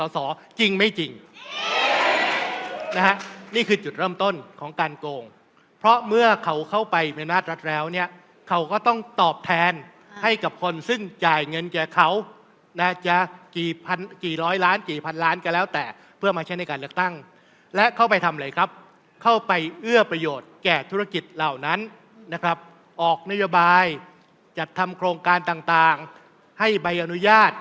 จริงไม่จริงนะฮะนี่คือจุดเริ่มต้นของการโกงเพราะเมื่อเขาเข้าไปมีอำนาจรัฐแล้วเนี่ยเขาก็ต้องตอบแทนให้กับคนซึ่งจ่ายเงินแก่เขานะจะกี่ร้อยล้านกี่พันล้านก็แล้วแต่เพื่อมาใช้ในการเลือกตั้งและเข้าไปทำอะไรครับเข้าไปเอื้อประโยชน์แก่ธุรกิจเหล่านั้นนะครับออกนโยบายจัดทำโครงการต่างให้ใบอนุญาต